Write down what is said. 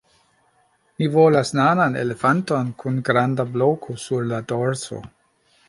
Mi volas nanan elefanton kun granda bloko sur la dorso